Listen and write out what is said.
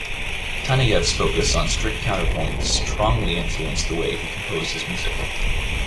Taneyev's focus on strict counterpoint strongly influenced the way he composed his music.